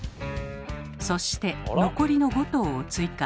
そして残りの５頭を追加。